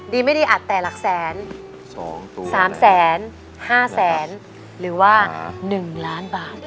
ดีไม่ดีอัดแต่หลักแสนสามแสนห้าแสนหรือว่าหนึ่งล้านบาท